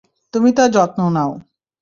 তুমি তার যত্ন নাও।